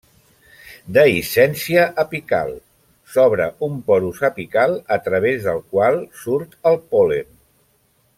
Dehiscència apical: s'obre un porus apical a través del qual surt el pol·len.